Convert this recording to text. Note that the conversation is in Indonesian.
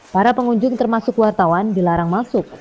para pengunjung termasuk wartawan dilarang masuk